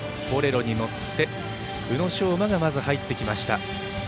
「ボレロ」にのって宇野昌磨がまず入ってきました。